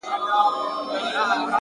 صبر د لویو بریاوو قیمت دی